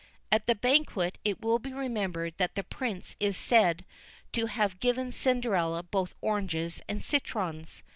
At the banquet it will be remembered that the Prince is said to have given Cinderella both oranges and citrons.